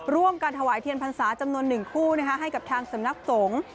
ร่วมกันถวายเทียนพรรษาจำนวน๑คู่ให้กับทางสำนักสงฆ์